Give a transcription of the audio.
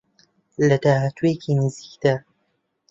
لە داهاتوویەکی نزیکدا